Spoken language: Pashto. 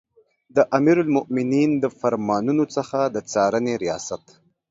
د امیرالمؤمنین د فرمانونو څخه د څارنې ریاست